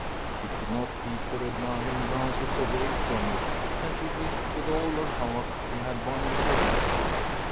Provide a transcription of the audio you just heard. She could not keep her admiring glances away from it, and she wished with all her heart she had one like it.